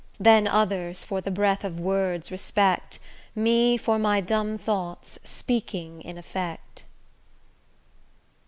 Then others, for the breath of words respect, Me for my dumb thoughts, speaking in effect.